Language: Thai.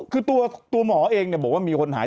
คือตัวหมอเองบอกว่ามีคนหาย